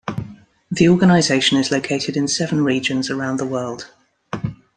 The organization is located in seven regions around the world.